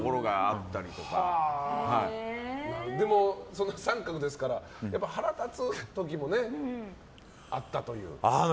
でも、△ですから腹立つ時もあったという。